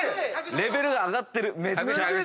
レベルが上がってるめっちゃ。